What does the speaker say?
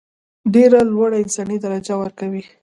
ډېره لوړه انساني درجه ورکړي.